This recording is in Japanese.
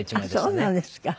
あっそうなんですか。